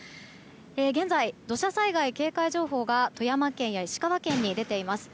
現在、土砂災害警戒情報が富山県や石川県に出ています。